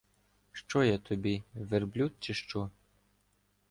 — Що я тобі — верблюд чи що?